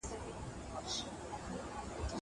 زه هره ورځ مځکي ته ګورم!